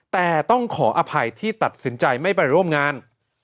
แต่ต้องขออภัยที่ตัดสินใจไม่ไปร่วมงาน